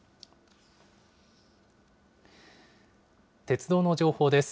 鉄道の情報です。